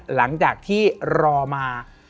หลังจากที่รอมา